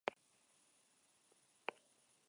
Koroaren interesak zaintzen zituen Bizkai-Gipuzkoetan.